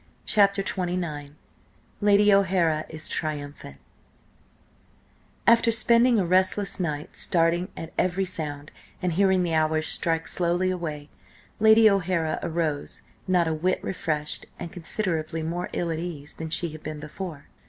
CHAPTER XXIX LADY O'HARA IS TRIUMPHANT AFTER spending a restless night, starting at every sound, and hearing the hours strike slowly away, Lady O'Hara arose not a whit refreshed and considerably more ill at ease than she had been before.